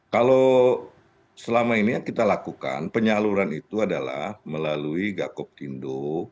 kalau selama ini yang kita lakukan penyaluran itu adalah melalui gakoptindo